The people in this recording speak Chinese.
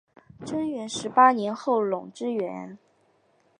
贞元十八年后垄之原。